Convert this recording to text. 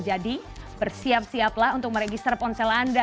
jadi bersiap siaplah untuk meregister ponsel anda